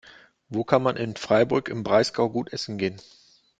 Wo kann man in Freiburg im Breisgau gut essen gehen?